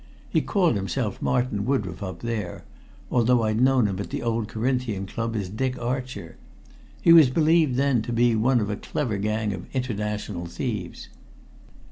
He called himself Martin Woodroffe up there although I'd known him at the old Corinthian Club as Dick Archer. He was believed then to be one of a clever gang of international thieves."